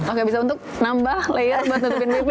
oke bisa untuk nambah layer buat satu benih